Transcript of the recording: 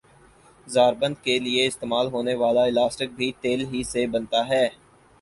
زار بند کیلئے استعمال ہونے والا الاسٹک بھی تیل ہی سے بنتا ھے